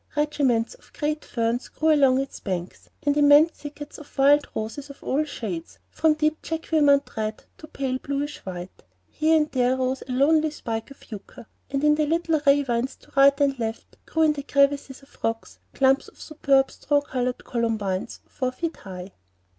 Regiments or great ferns grew along its banks, and immense thickets of wild roses of all shades, from deep Jacqueminot red to pale blush white. Here and there rose a lonely spike of yucca, and in the little ravines to right and left grew in the crevices of the rocks clumps of superb straw colored columbines four feet high.